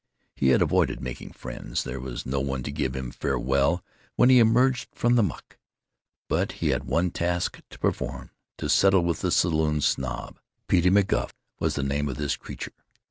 He had avoided making friends. There was no one to give him farewell when he emerged from the muck. But he had one task to perform—to settle with the Saloon Snob. Petey McGuff was the name of this creature.